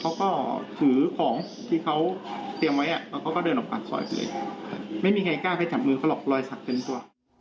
เขาก็ถือของที่เขาเตรียมไว้แล้วเขาก็เดินออกปากซอยไปเลยไม่มีใครกล้าไปจับมือเขาหรอกรอยสักเต็มตัว